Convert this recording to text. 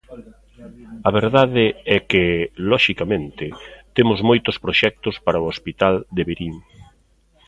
A verdade é que, loxicamente, temos moitos proxectos para o Hospital de Verín.